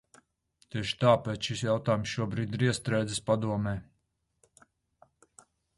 Tieši tāpēc šis jautājums šobrīd ir iestrēdzis Padomē.